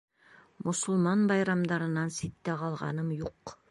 — Мосолман байрамдарынан ситтә ҡалғаным юҡ.